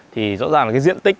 thì rõ ràng là cái diện tích